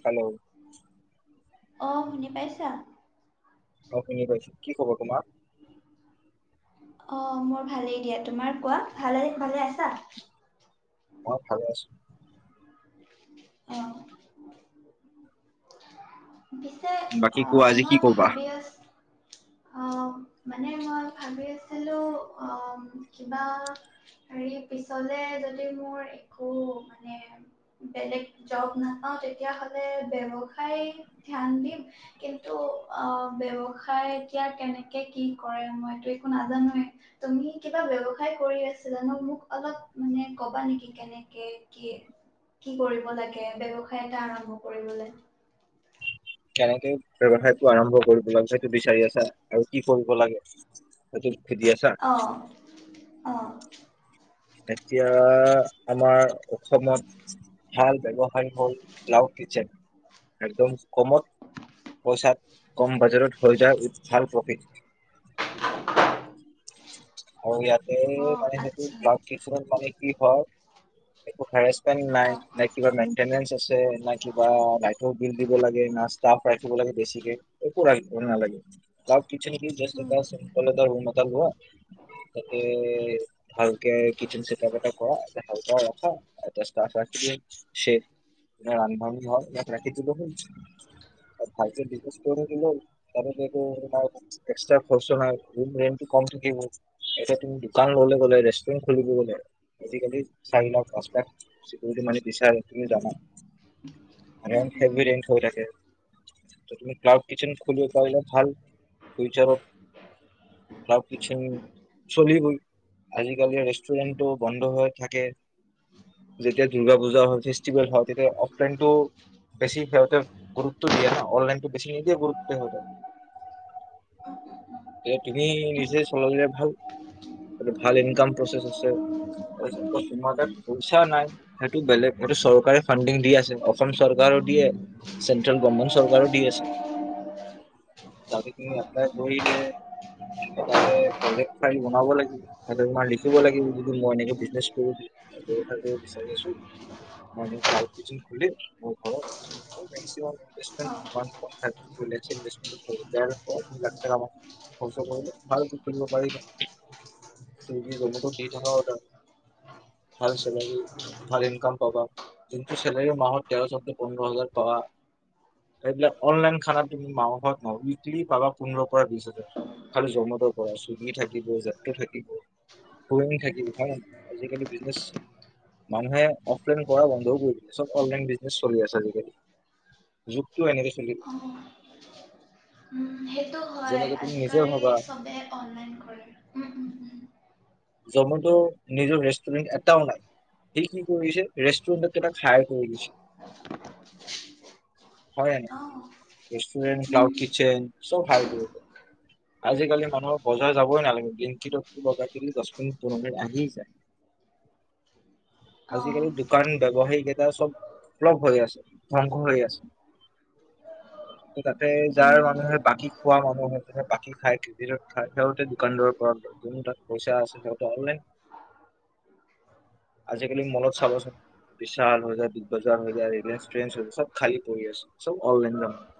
Hello, ' অ', শুনি পাইছা? অ', শুনি পাইছোঁ, কি খবৰ তোমাৰ? অ', মোৰ ভালেই দিয়া, তোমাৰ কোৱা ভালে-ভালে আছা? মই ভালে আছোঁ। অ', পিছে, বাকী কোৱা অ', আজি কি মই কবা ভাবি আছোঁ', অ', মানে মই ভাবি আছিলোঁ, অ', কিবা হেৰি পিছলে যদি মোৰ একো মানে বেলেগ জব নাপাওঁ তেতিয়া হ'লে ব্যৱসায়ত ধ্যান দিম কিন্তু আহ', ব্যৱসায়ত', এতিয়া কেনেকে কি কৰে মইতো একো নাজানোৱে, তুমি কিবা ব্যৱসায় কৰি আছিলা নো মোক অলপ মানে কবা নেকি কেনেকে কি কি কৰিব লাগে ব্যৱসায় এটা আৰম্ভ কৰিবলে? তেনেকে ব্যৱসায়টো আৰম্ভ কৰিব লাগে, সেইটো বিচাৰি আছা আৰু কি কৰিব লাগে সেইটো', সুধি আছা আহ', -আহ', এতিয়া আমাৰ অসমত ভাল ব্যৱসায় হ'ল ক্লাউড কিচেন, একদম কমত পইচাত কম বাজেটত হৈ যায় উ', ভাল প্ৰফিট ', আৰু ইয়াত? হেৰি অ', কালিৰাতি, আচ্ছা ক্লাউড কিচেনত পানী', কি হয়? এটো ভাইৰাছ', মেন্টেন নাই, অ', নে কিবা মেন্টেনেচ আছে না কিবা লাইটৰ বিল দিব লাগে না ষ্টাফ', লাগে বেছিকে, একো লাগিব নালাগে। ক্লাউড কিচেনেকি জাষ্ট উম, এটা চিম্পল এটা ৰুম এটা লোৱা', তাকে ভালকে কিচেন ছেটআপ এটা কৰা, এটা হেল্পাৰ ৰাখা আৰু এটা ষ্টাফ ৰাখি দিয়া, চেফ ৰান্ধন ঘৰ ইয়াত ৰাখি দিলে হ'ল ভালকে বিজনেচ কৰি থাকিলে হ'ল', তাৰপিছত এইটো, সেটো বায় ওয়ান এক্সট্ৰা', কোৱেছচন‌ নাই এৰা? ৰুম ৰেণ্ট টো কম থাকিব', এতিয়া তুমি দোকান ললে গলে ৰেষ্টুৰেণ্ট খুলিব গলে আজিকালি চাৰি লাখ পাঁচ লাখ যিক মানে বিচাৰে তুমি জানা আৰু উম, উম। হৈ থাকে। [unintelligible] তুমি ক্লাব কিচন খুলিয় পাইলে ভাল ফাৰ ক্লাব কিচন, ৰেষ্টুৰেন্টটো বন্ধ হৈ থাকে যেতিয়া দূৰ্গা পূজা হয় ফেষ্টিভেল হয় তেতিয়া বেছি সিতে গুৰুত্ব দিয়ে ন অনলাইনটো বেছি নিদিয়ে গুৰুত্ব সিহতেয়া অ তুমি নি্চ যেই চলালে ভাল। ভাল ইনক প্ৰচ আছে তাৰ তোমাৰ তাত পইচা নাই সেইটো বেলেগ সেইটো চৰকাৰে ফাডিং দি আছে অসম চৰকাৰো দিয়ে চেন্ট্ৰেল গভমেণ্ট চৰকাৰ দি আছে ত তুম এপ্লাই কৰিলে বিচাৰি বনাব লাগিব, লিখিব লাগিব য মই এনে বিজনেচ কৰিব বিচাৰি আছোঁ, মই এনেকৈ ক্লাওদ কিটচেন খুলিম মোৰ ঘৰত আৰু মেকসিমাম অ ইনভেষ্টমেন্ত ওৱান পইন ফাইভ ত হৈ যায় আৰু, কষ্ট কৰিলে ভাল ইনকম কৰিব পাৰিবা। চইগি জমটো দি থকা অৰ্ডাৰ, ভাল চেলাৰী ভাল ইনকাম পাবা, যোনটো চেলাৰী মাহত তেৰ সৌদ্ধ পোন্ধৰ হাজাৰ পাব, সবিলাক অনলাইন খানা তুমি মাহত নহয়, উইকলি পাবা পোন্ধৰ পৰা বিশ হাজাৰ খালি জমেটোৰ পৰা চুইগি থাকিব। যাত্ৰ থাকিব থাকিব ভ আজিকালি বিজনেচ মানুহে অফলাইন কৰা বন্ধও কৰি চব অনলাইন বিজনেছ চলি আছে আজিকালি যুগটো এনেকে চলিব সেইটো হয় আজিকালি চবে অনলাইন কৰে। উম। উম জমেত নিজৰ ৰেষ্টুৰেন্ট এটাও নাই সি কি কৰিছে ৰেষ্টুৰেণ্টত কেইটা হাইৰ কৰি দিছে। হয় উম অ উম ন ৰেষ্টুৰেণ্ট ক্লাউড কিটচন চব হাইৰ কৰি লৈছে, আজিকালি মানুহৰ বজাৰ যাবই নালাগে, ব্লিংক কিত অৰ্ডাৰ কৰি পুৰণ আহি যায় অ আজিকালি দোকান ব্যবসায়িকেইটা চব সল হৈ আছে ধ্বংস হৈ আছে। তাতে যাৰ মানুহে উম বাকী খোৱা মানুহে তাতে বাকী খায় ক্ৰেদিটত খায় সেইহতে দোকান দোৰৰ পৰা যোন তাত পইচা আছে। আজিকালি মলত চাবচোন বিশাল হৈ বিগ বজাৰ হৈ যায় য, চব খালি হৈ পৰি আছে, চব অনলাইন জমনা,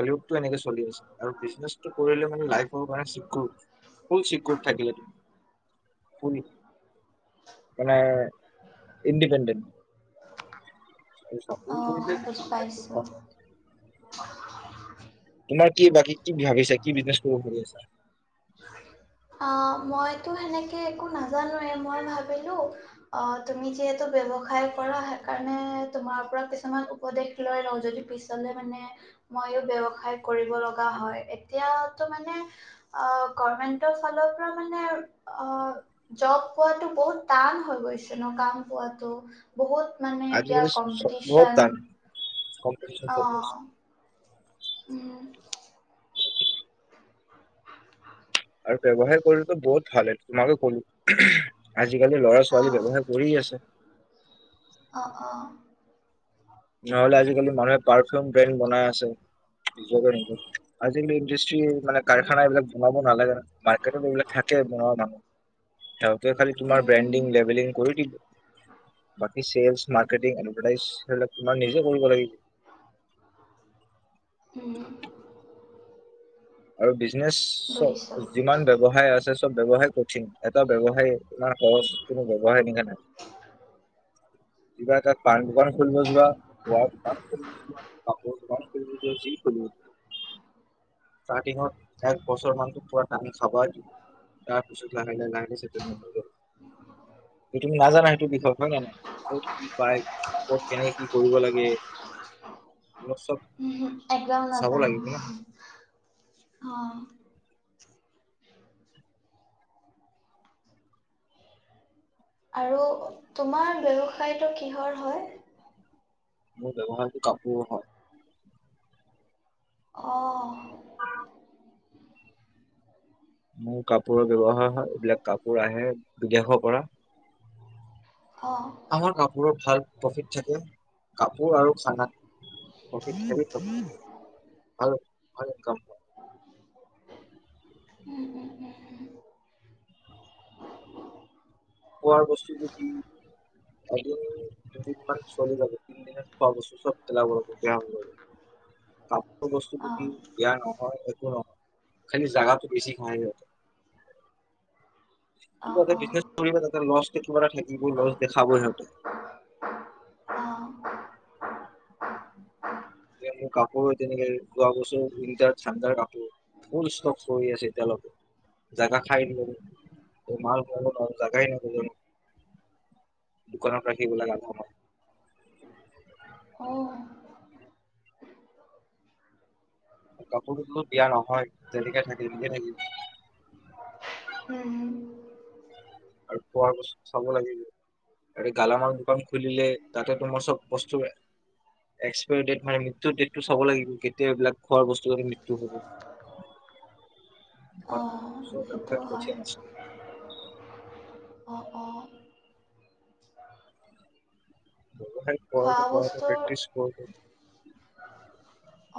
কলি যুগ টো এনেক চলি আছে আৰু বিছনিজ টো কৰিলে মানে লাইফ ৰ কাৰণে চিকিওৰ, ফুল চিকিউৰ থাকে। মানে ইণ্ডিপেণ্ডেণ্ট। অঁ বুজ পাইছোঁ। তোমাৰ তোমাৰ কি বাকী কি ভাবিছো কি বিজনেছ কৰিব ভাবি আচা? আহ, মইতো সেনেকে একো নাজানোৱে মই ভাবিলো অ তুমি যিহেতু বৱসায় কৰা সেইকাৰণে তোমাৰ পৰা কিছুমান উপদেশ লৈ লওঁ যদি পিছলে মানে মইো ব্য়ৱসায় কৰিব লগা হয় এতিয়া মানে অ গমেন্ট ফালৰ পৰা মানে অ জব পোৱা বহুত টান হৈ গৈছে ন কাম পোৱা বহুত মানে এতিয়া আজিকালি চবত কম্পিটিশ্যন তান, অ। উম। আৰু বযৱসায় কৰিলেতো বহুত ভাল তোমাকে ক'লো। আজিকালি ল'ৰা অ ছোৱালী ব্যৱহায় কৰি আছে। আহ অ নহলে আজিকালি মানুহে পাৰফিউম ব্ৰেণ্ড বনাই আছে নিজকে নিজ আজিকালি ইণ্ডাষ্ট্ৰি মানে কাৰখানা এইবিলাক বনাব নালাগে ন মাৰ্কেটত এইবিলাক থাকে বনোৱা মানুহ স ত খালি তোমাৰ ব্ৰেণ্ডিং উম লেভেলিং কৰি দিলো। চেলছ, মাৰকেৰ্টিং, এডভাৰটাইজ সেইবিলাক তোমাৰ নিজে কৰিব লাগিব। [unintelligible] আৰু বিছ বিজনেছ বুজিছোঁ যিমান ব্যয়ৱসায় আছে চ, ব্যৱসায় কঠিন এটা ব্যৱসায় ইমান সহ কোনো ব ব্যৱসায় নি কিবা এটা পাণ দোকান খুলিব যোৱা, তোমাৰ কাপোৰ দোকান খুলিব যোৱা, যি খুলিব যোৱা, স্তাৰ্তিং ত এক বছৰ মানটো পুৰা টানি খাবাই তাৰপিছত লাহে লাহে লাহে সেতেলমেণ্ট হৈ যাব। যে তুমি নাজানা সেইটো বিষয়ত, হয় নে নহয়? ক'ত কি পায় কত কেনেকে কি কৰিব লাগে। এইবিলাক চব উ একদম চাব নাজানো। লাগিব না অ, আৰু তোমাৰ ব্যৱসায়টো কিহৰ হয় মোৰ ব্যৱসায়তো কাপোৰো হয় অঁ মোৰ কাপোৰৰ ব্যৱসায় হয় এইবিলাক কাপোৰ আহে বিদেশৰ পৰা অ', আমাৰ কাপোৰৰ ভাল প্ৰফিট থাকে কাপোৰ আৰু খানাত প্ৰফিট সেনেকুৱা ভাল ভাল ইনকাম হয় [unintelligible] খোৱা বস্তুটো কি এদিন দুদিনমান চলি যাব তিন দিনত খোৱা বস্তু চব [inaudible] কাপোৰ বস্তুটো কি অ', দয়া নহয় খালি জোগাটো বেছি খাই সিহঁতে অ অ লষ্ট কিবা এটা থাকিব লষ্ট দেখাবই সিহঁতে অ', মোৰ কাপোৰ তেনেকে যোৱা বছো উইন্টাৰ থানণ্ডাৰ কাপোৰ ফুল ষ্টক হৈ আছে এতিয়ালকে জাগা খাইিল মাল থব নোৱাৰো জগাই দোকানত ৰাখিব লাগাৰ অ', কাপোৰ কো বিয়া নহয় হয় তেনেকে থাকিল তেনেকে থাকিল উম, আৰু পোৱাৰ পাছত চাব লাগিলে আৰু গেলামাল দোকান খুলিলে তাতে তোমাৰ চব বস্তু এক্সায়ী ডে মানে মৃত্যু ডেটটো চাব লাগিব কেতিয়াববিল খোৱা বস্তু ৱ অ', সেইটো হয়। কৰি [unintelligible] অ -অ ব্যৱসায় খোৱা কৰোতে কৰোতে বস্তুৰ প্ৰেক্টিচ কৰোতে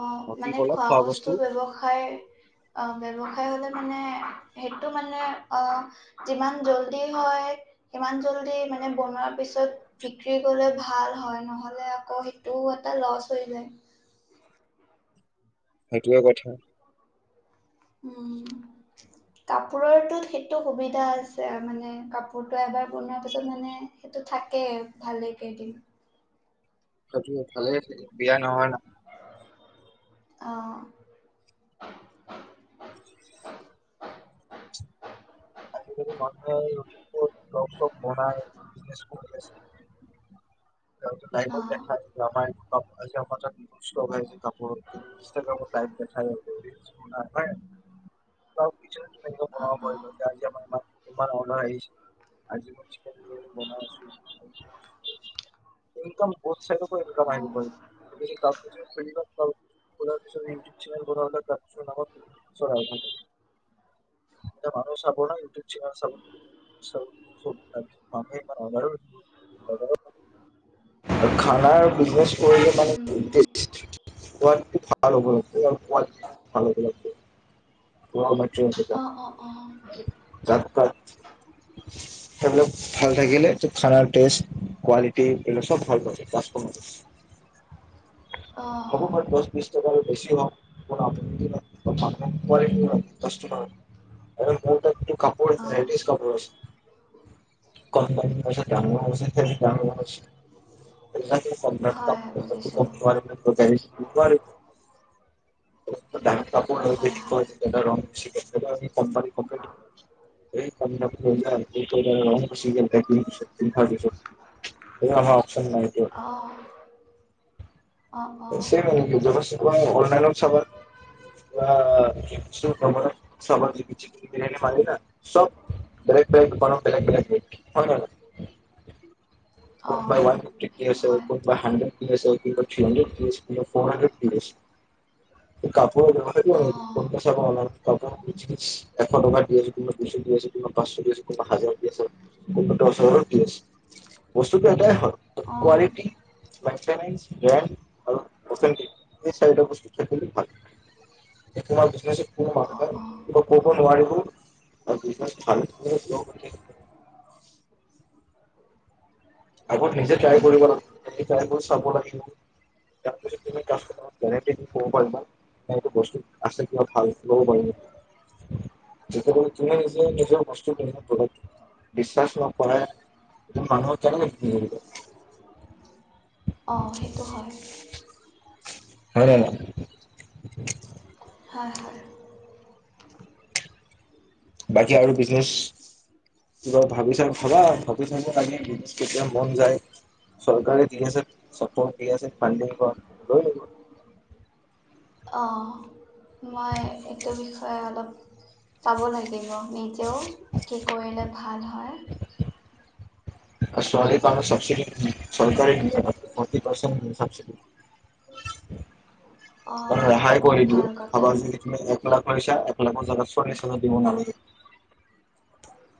আহ বাকী মানে কলা খোৱা বস্তু বস্তুৰ ব্যৱসায় আহ ব্যৱসায় হলে মানে সেইটো মানে অ যিমান জল্দি হয় সিমান জল্দি মানে বনোৱাৰ পিছত বিক্ৰী গলে ভাল হয় নহলে আকৌ সেইটোও এটা লচ হৈ যায় সেইটোৱে কথা উম কাপোৰৰটোত সেইটো সুবিধা আছে মানে কাপোৰতটো এবাৰ বনোৱা পিছত মানে সেইটো থাকেই ভালে কেইদিন হয় ভালেই থাকে বিয়া নহয় ন অ আজিকালি মন্টযে ইউটিউব ব্লগ চল্গ বনাই বিজনে কৰিছে নাই অ', দেখা [unintelligible] আমাৰ অ আজি আমাৰ তাত ষ্টক আহ যে কাপোৰ ইনাগ্ৰামাইপ দেখায় অ অঁ তোমাৰ অডাৰ আহিছে আজিবনাই আছো ইনকাম অ', [unintelligible] [unintelligible] কলাৰ পিছত ৰিম জিম চেনেল থাকে এয়া মানুহ [unintelligible] খানাৰ বিগনেছ কৰিলে মানে উম, গোটেই টো ভাল হ'ব লাগে ভাল হব লাগে ৱাও মাৰি অ অ অ যাত তাক সেবিলাক ভাল থাকিলে ভাৰাৰ ট্ৰে কোৱালিট এইবিলাগ চব ভাল পাব তাচ কমাৰ্চ অহো অ', কৰ দহ বিশছ টকাৰ বেছি হওক আপু [unintelligible] কাপোৰ অ', লেডিছ কাপোৰ আছে। কণমানি হৈছে ডাঙৰ হৈছে [unintelligible] [inaudible] হয় বুজিছোঁ। ডাৰত কাপোৰ হয় অনিবি বোলি কৈ হয় কিন্তু ৰগ বেছিকে সেইটো অমি কম পানী এই কম দামি লৈ যাই সেই পইদাৰৰ ৰং গুচি গলে আমাৰ অপ্শন নাই দিয়ক অঁ অঁ আছে আও গেজবাচ কোৱা অনলাইনত চাবা যোৱা কিছু কমত চাবা জিকি যি কেনেকে মাৰিলা চব বেলেগ বেলেগ দোকানত বেলেগ বেলেগ হয় হয় নাই বাও অঁ অঁ কটপাই ওৱান কেথী সেইটো আছে হয় কতপাই হাড্ৰেড কি আছে থ্ৰী কিৰেশ কিবা ফৰ্শদেথ কীইছ প দহতেটো হয় অঁ পতেছ অপা অনা থ বজিছ এশ টকা দি আছে কোনোবা দুইশ দি আছে কোনোবা পাঁচশ দি আছে কোনোবা হাজাৰ দি আছে কোনোবা দহ হাজাৰত দি আছে। বস্তুটো এতাই হয় অঁ কোৱালিটি লেফটেনেণ্টচ গেম আৰু অথৰিটি এই চাৰিটা বস্তু খতি এইটো ভাল বিজনেচত অঁ অঁ কব নোৱাৰিবও আৰু দু ভাল [unintelligible] [unintelligible] আকৌ নিজে ট্ৰাই উম, কৰিব লাগ চাব লাগিব। তাৰ পাছত তুমি কামাৰ যেনে কব পাৰিবাটো বস্তু আছে কিবা ভালব পাৰিব। তুমি নিজে নিজৰ বস্তু ক বিশ্বাস ন কৰাই মানুহ চ [unintelligible] অহ সেইটো হয়। হয় নে নহয়? হয়-হয়। বাকী আৰু বিজনেচ কিবা ভাবি চা ভবা ভাবি চাবা বিজনেচ কেতিয়া মন যায় চৰকাৰে দি আছে। চক দি আছে ফান্দি লৈ লিব [unintelligible] অহ। মই এইটো বিষয়ে অলপ চাব লাগিব নিজেও, কি কৰিলে ভাল হয়। আৰু ছোৱালী প চাবচিডি [inaudible] চৰকাৰে ফটি পাৰ্চেণ্ট চাবচিডি। অঁ ত সেইটোতো ৰেহাই বহুত কৰি দিওঁ ভাল কথা ভাবা যদি তুমি এক লাখ পইছা ম জাগাত চল্লিশ হাজাৰ দিব নালাগে [unintelligible]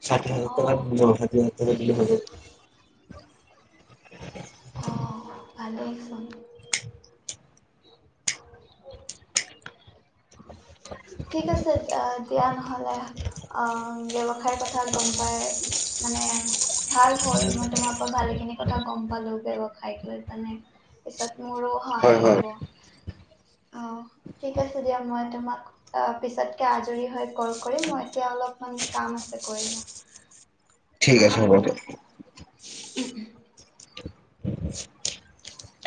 ষাঠি হাজাৰ অঁ টকাৰ জন ষাঠি হাজাৰ টকা দিলেই হব। অহ, ভালেইচোন। ঠিক আছে দিয়া নহলে। অহ ব্যৱসায় কথা গম পাই মানে ভাল হল মই তোমাৰোকৰ ভালেখিনি কথা গম পালোগে ব্যৱসায় লৈ পানে পিছত মোৰো হয় সহায় হয় হ'ব। অহ, ঠিক আছে। তেতিয়া মই তোমাক পিছতকে আজৰি হৈ কল কৰিম মই এতিয়া অলপমান কাম আছে কৰি লওঁ। ঠিক আছে হ'ব দিয়া। ত [unintelligible] উম- উম।